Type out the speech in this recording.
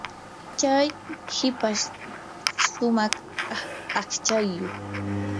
chay hipash shumaq aqchayuq.